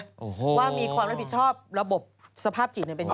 ว่ามีความรับผิดชอบระบบสภาพจิตเป็นยังไง